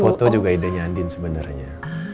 foto juga idenya andin sebenarnya